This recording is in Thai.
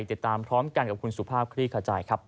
ติดตามพร้อมกันกับคุณสุภาพคลี่ขจายครับ